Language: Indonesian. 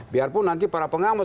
biarpun nanti para pengambil